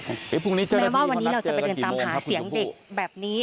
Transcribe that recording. แม้ว่าวันนี้เราจะไปเดินตามหาเสียงเด็กแบบนี้